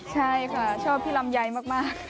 ใช่ค่ะชอบพี่ลับใหม่ค่ะ